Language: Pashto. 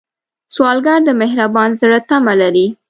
سوالګر د مهربان زړه تمه لري